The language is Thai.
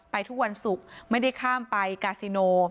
ทุกวันศุกร์ไม่ได้ข้ามไปกาซิโน